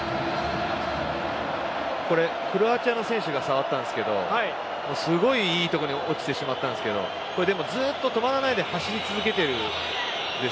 クロアチアの選手が触ったんですけどすごいいいところに落ちてしまったんですけどこれ、でもずっと止まらないで走り続けているんです。